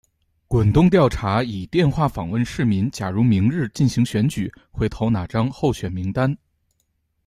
滚动调查以电话访问市民假如明日进行选举会投哪张候选名单。